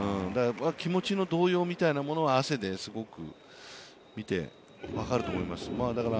気持ちの動揺みたいなものは、汗で見てすごく分かると思います。